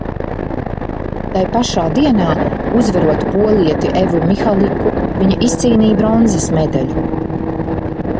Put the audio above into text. Tai pašā dienā, uzvarot polieti Evu Mihaliku viņa izcīnīja bronzas medaļu.